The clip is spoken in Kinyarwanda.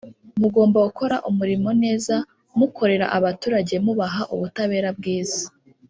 mugomba gukora umurimo neza mukorera abaturage mubaha ubutabera bwiza